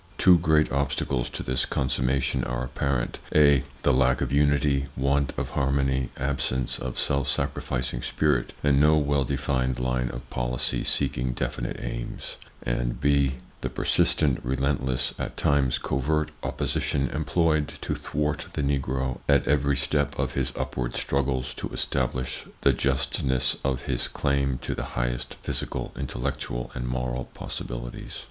Two great obstacles to this consummation are apparent: (a) The lack of unity, want of harmony, absence of a self sacrificing spirit, and no well defined line of policy seeking definite aims; and (b) The persistent, relentless, at times covert opposition employed to thwart the Negro at every step of his upward struggles to establish the justness of his claim to the highest physical, intellectual and moral possibilities.